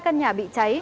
hai căn nhà bị cháy